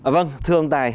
vâng thưa ông tài